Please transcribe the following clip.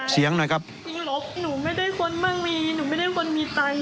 หน่อยครับหนูลบหนูไม่ได้คนมั่งมีหนูไม่ได้คนมีตังค์